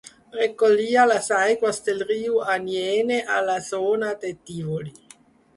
Recollia les aigües del riu Aniene a la zona de Tívoli.